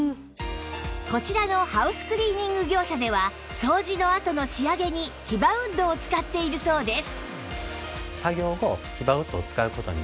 こちらのハウスクリーニング業者では掃除のあとの仕上げにヒバウッドを使っているそうです